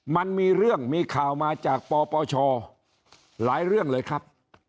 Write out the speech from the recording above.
มันมีเรื่องมีข่าวมาจากปปชหลายเรื่องเลยครับ